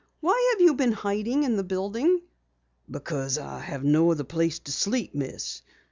"Why have you been hiding in the building?" "Because I have no other place to sleep, Miss.